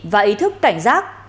và ý thức cảnh giác